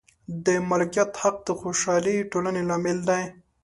د مالکیت حق د خوشحالې ټولنې لامل دی.